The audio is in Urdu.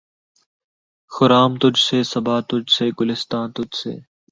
خرام تجھ سے‘ صبا تجھ سے‘ گلستاں تجھ سے